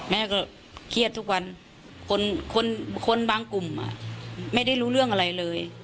แม่ก็เครียดทุกวันคนบางกลุ่มไม่ได้รู้เรื่องอะไรเลย